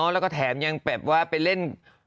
แล้วก็แถมยังแบบว่าไปเล่น